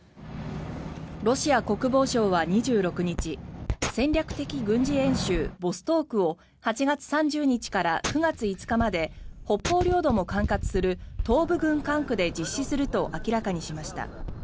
ロシア国防省は２６日戦略的軍事演習ボストークを８月３０日から９月５日まで北方領土も管轄する東部軍管区で実施すると明らかにしました。